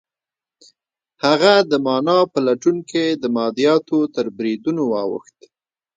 هغه د مانا په لټون کې د مادیاتو تر بریدونو واوښت.